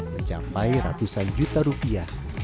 mencapai ratusan juta rupiah